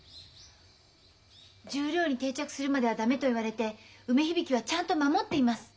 十両に定着するまでは駄目と言われて梅響はちゃんと守っています。